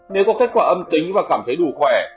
nếu có kết quả âm tính và cảm thấy đủ khỏe